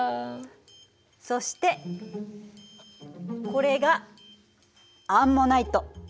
そしてこれがアンモナイト。